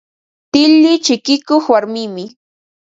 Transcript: Tilli chikikuq warmimi.